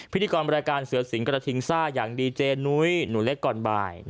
พิธีกรรายการเสือสิงกระทิงซ่าอย่างดีเจนุ้ยหนูเล็กก่อนบ่าย